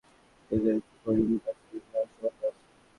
তবে আঙ্গারিয়া বাজার থেকে খোয়াজপুর পর্যন্ত পাঁচ কিলোমিটার অংশ ভালো আছে।